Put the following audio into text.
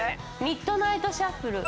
『ミッドナイト・シャッフル』。